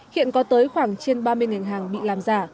hiện có tới khoảng trên ba mươi hàng bị làm giả